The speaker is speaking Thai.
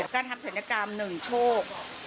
การทำศัลยกรรม๑โชค